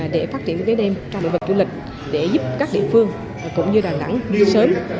để phát triển kinh tế đêm trải nghiệm vật du lịch để giúp các địa phương cũng như đà nẵng sớm